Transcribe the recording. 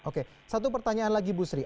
oke satu pertanyaan lagi bu sri